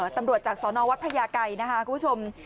ตำรวจจากสรวัตพยาไกรคุณผู้ชม